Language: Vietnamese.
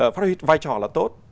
phát huy vai trò là tốt